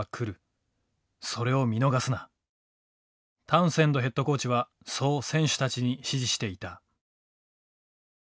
タウンセンドヘッドコーチはそう選手たちに指示していた。